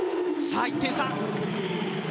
さぁ、１点差。